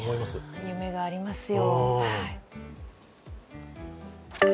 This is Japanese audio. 夢がありますよ。